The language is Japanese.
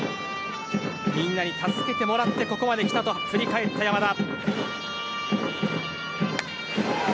みんなに助けてもらってここまで来たと語った山田。